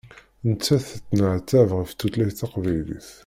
Nettat tettneɛtab ɣef tutlayt taqbaylit.